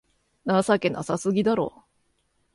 情けなさすぎだろ